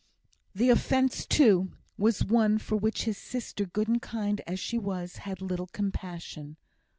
The offence, too, was one for which his sister, good and kind as she was, had little compassion.